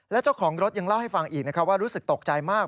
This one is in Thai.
และเจ้าของรถยังเล่าให้ฟังอีกว่ารู้สึกตกใจมาก